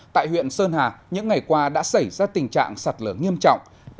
tại huyện sơn hà những ngày qua đã xảy ra tình trạng sạt lở nghiêm trọng